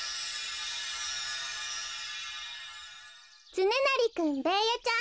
つねなりくんベーヤちゃん